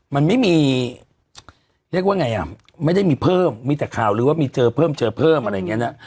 มันไม่มีเรียกว่าไงอ่ะไม่ได้มีเพิ่มมีแต่ข่าวหรือว่ามีเจอเพิ่มเจอเพิ่มอะไรอย่างนี้นะ